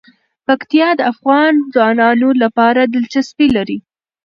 پکتیا د افغان ځوانانو لپاره دلچسپي لري.